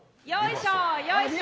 よいしょ！